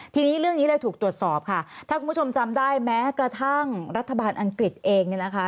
ทีนี้เรื่องนี้เลยถูกตรวจสอบค่ะถ้าคุณผู้ชมจำได้แม้กระทั่งรัฐบาลอังกฤษเองเนี่ยนะคะ